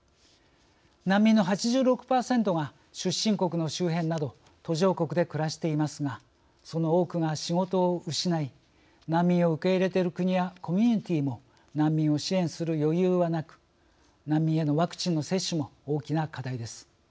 難民の８６％が出身国の周辺など途上国で暮らしていますがその多くが仕事を失い難民を受け入れている国やコミュニティーも難民を支援する余裕はなく難民へのワクチンの接種も大きな課題です。